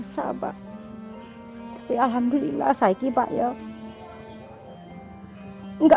setelah diberikan oleh pemerintah